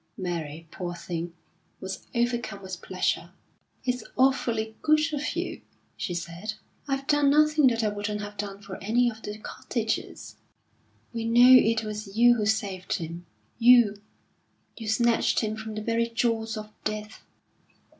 Mary, poor thing, was overcome with pleasure. "It's awfully good of you," she said. "I've done nothing that I wouldn't have done for any of the cottagers." "We know it was you who saved him. You you snatched him from the very jaws of Death."